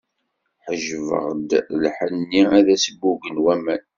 Ḥejbeɣ-d lḥenni, ad as-muggen waman.